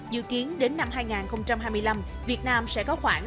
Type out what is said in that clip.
dự kiến đến năm hai nghìn hai mươi năm việt nam sẽ có khoảng